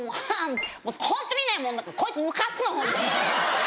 ホントにねこいつムカつくのホント！